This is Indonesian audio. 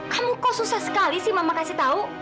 kamu kok susah sekali sih mama kasih tahu